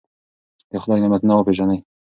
د خدای نعمتونه وپېژنئ.